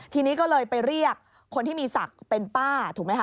ทีนี้ก็เลยไปเรียกคนที่มีศักดิ์เป็นป้าถูกไหมคะ